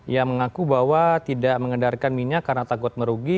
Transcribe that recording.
yang mengaku bahwa tidak mengedarkan minyak karena takut merugi